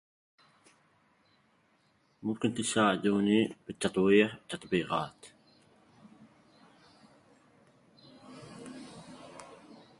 لعله من الأفضل أن أعود لعملي.